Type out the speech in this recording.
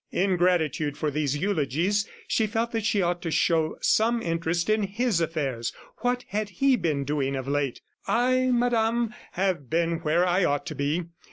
In gratitude for these eulogies, she felt that she ought to show some interest in his affairs. ... What had he been doing of late? "I, Madame, have been where I ought to be.